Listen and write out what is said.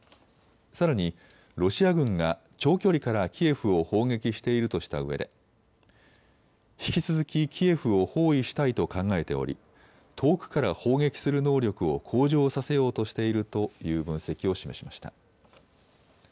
さらに、ロシア軍が長距離からキエフを砲撃しているとしたうえで引き続きキエフを包囲したいと考えており遠くから砲撃する能力を向上させようとしているという分析を示しました。